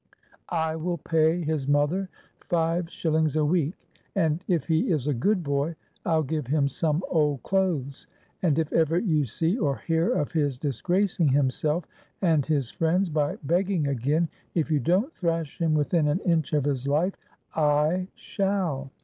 I will pay his mother five shillings a week, and, if he is a good boy, I'll give him some old clothes. And if ever you see or hear of his disgracing himself and his friends by begging again, if you don't thrash him within an inch of his life, I shall.